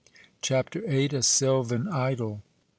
CHAPTER VIII. A SYLVAN IDYL.